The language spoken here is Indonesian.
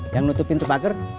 yang nutupin tepager